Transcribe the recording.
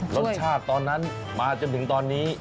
รสชาติตอนนั้นมาจนถึงตอนนี้